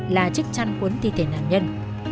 là chiếc chăn cuốn thi thể nạn nhân